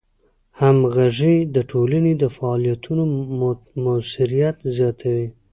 همغږي د ټولنې د فعالیتونو موثریت زیاتوي.